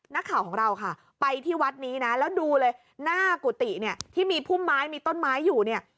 นักข่าวของเราค่ะไปที่วัดนี้นะแล้วดูเลยหน้ากุฏิเนี่ยที่มีพุ่มไม้มีต้นไม้อยู่เนี่ย